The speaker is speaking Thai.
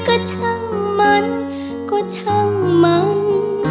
ก็ช่างมันก็ช่างเมา